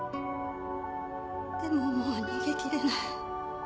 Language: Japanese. でももう逃げ切れない